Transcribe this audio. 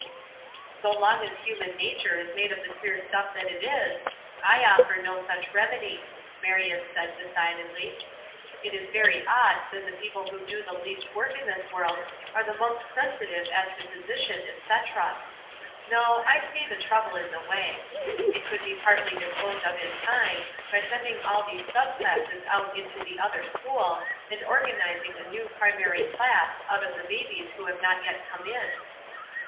"So long as human nature is made of the queer stuff that it is, I offer no such remedy," Marion said, decidedly. "It is very odd that the people who do the least work in this world are the most sensitive as to position, etc. No, I see the trouble in the way. It could be partly disposed of in time, by sending all these sub classes out into the other school, and organizing a new primary class out of the babies who have not yet come in."